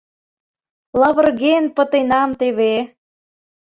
Лавырген пытенам теве!